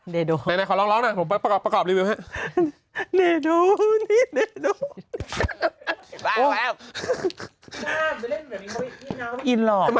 หน่อยขอร้องน่ะผมประกอบรีวิวให้เดดโอนี่เดดโอ